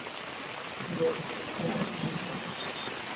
গুরুতর আহত অবস্থায় তাঁকে রাজশাহী মেডিকেল কলেজ হাসপাতালে ভর্তি করা হয়েছে।